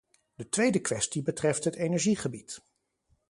De tweede kwestie betreft het energiegebied.